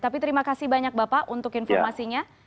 tapi terima kasih banyak bapak untuk informasinya